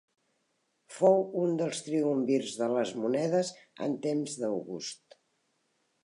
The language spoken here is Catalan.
Fou un dels triumvirs de les monedes en temps d'August.